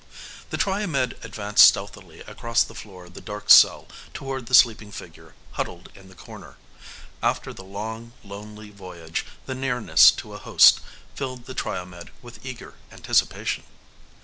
] The Triomed advanced stealthily across the floor of the dark cell toward the sleeping figure huddled in the corner. After the long, lonely voyage, the nearness to a host filled the Triomed with eager anticipation.